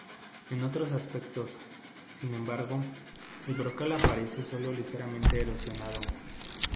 En otros aspectos, sin embargo, el brocal aparece sólo ligeramente erosionado.